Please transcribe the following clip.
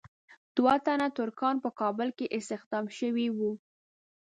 دوه تنه ترکان په کابل کې استخدام شوي وو.